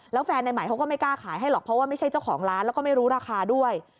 แล้วแฟนในใหม่เขาก็ไม่กล้าขายให้หรอกเพราะว่าไม่ใช่เจ้าของร้านแล้วก็ไม่รู้ราคาด้วย